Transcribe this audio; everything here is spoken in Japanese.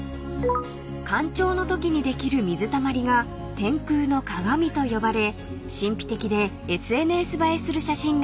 ［干潮のときにできる水たまりが天空の鏡と呼ばれ神秘的でＳＮＳ映えする写真が撮れると人気なんだとか］